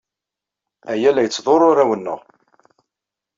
Aya la yettḍurru arraw-nneɣ.